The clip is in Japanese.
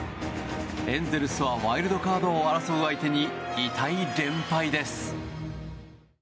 エンゼルスはワイルドカードを争う相手に痛い連敗です。